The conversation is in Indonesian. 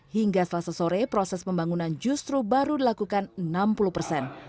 hingga selasa sore proses pembangunan justru baru dilakukan enam puluh persen